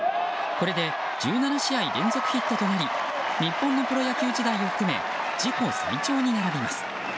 これで１７試合連続ヒットとなり日本のプロ野球時代を含め自己最長に並びます。